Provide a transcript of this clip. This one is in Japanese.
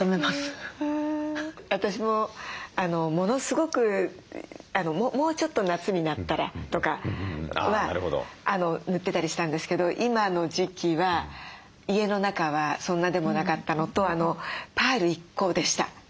私もものすごくもうちょっと夏になったらとかは塗ってたりしたんですけど今の時期は家の中はそんなでもなかったのとパール１個でした。